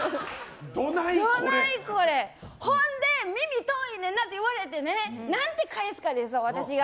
ほんで、耳遠いねんなって言われてね何て返すかですよ、私が。